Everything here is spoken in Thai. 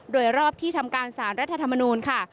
โดยรอบที่ทำการสารรัฐธรรมนูลค่ะ